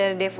ya ya sudah